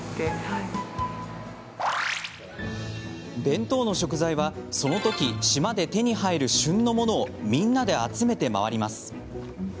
弁当の食材はそのとき島で手に入る旬のものをみんなで集めて回ります。